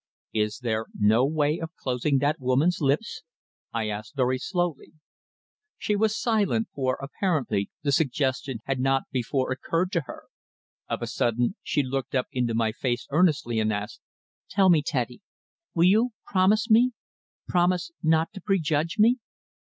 "Is there no way of closing that woman's lips?" I asked very slowly. She was silent, for, apparently, the suggestion had not before occurred to her. Of a sudden, she looked up into my face earnestly, and asked: "Tell me, Teddy. Will you promise me promise not to prejudge me?"